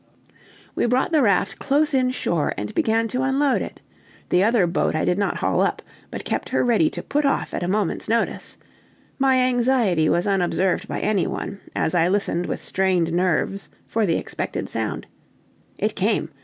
We brought the raft close in shore and began to unload it; the other boat I did not haul up, but kept her ready to put off at a moment's notice; my anxiety was unobserved by anyone, as I listened with strained nerves for the expected sound. It came!